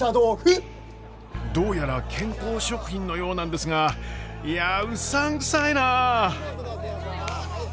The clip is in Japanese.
どうやら健康食品のようなんですがいやうさんくさいなあ。